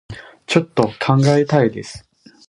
ちょっと考えたいです